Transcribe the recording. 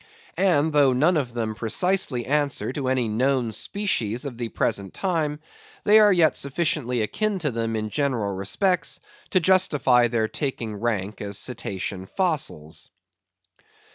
And though none of them precisely answer to any known species of the present time, they are yet sufficiently akin to them in general respects, to justify their taking rank as Cetacean fossils.